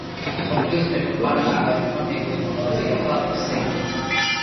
მსოფლიოს ბევრ ქვეყანაში გაიხსნა ბეკოს მაღაზიათა ქსელი.